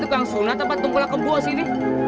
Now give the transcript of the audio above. tukang sunat apa tumpul akun puas ini